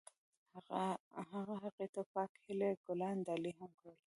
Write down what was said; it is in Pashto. هغه هغې ته د پاک هیلې ګلان ډالۍ هم کړل.